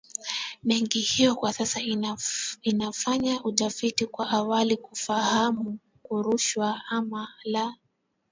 Benki hiyo kwa sasa inafanya utafiti wa awali kufahamu kuruhusiwa ama la